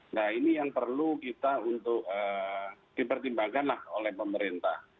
nah ini yang perlu kita untuk dipertimbangkanlah oleh pemerintah